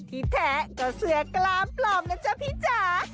ที่แท้ก็เสื้อกล้ามปลอมนะจ๊ะพี่จ๋า